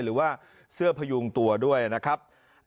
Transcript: หรือว่าเสื้อพยุงตัวด้วยนะครับ